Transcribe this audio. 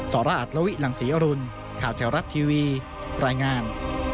รอัตลวิหลังศรีอรุณข่าวแถวรัฐทีวีรายงาน